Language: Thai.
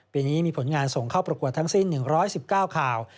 ปีนี้มีผลงานส่งเข้าประกวดทั้งสิ้น๑๑๙ข่าว